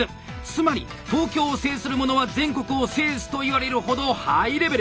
つまり東京を制するものは全国を制すといわれるほどハイレベル！